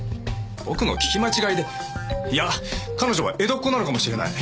僕の聞き間違いでいや彼女は江戸っ子なのかもしれない。